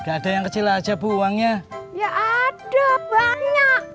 ada yang kecil aja buangnya ya ada banyak